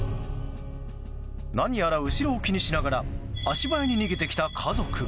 何やら後ろを気にしながら足早に逃げてきた家族。